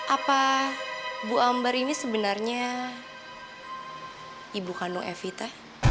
apa bu ambar ini sebenarnya ibu kandung evita